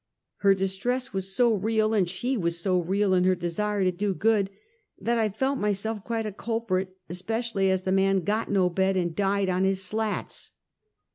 Her distress was so real, and she was so real in her desire to do good, that I felt mj^self quite a culprit, especially as the man got no bed, and died on his slats.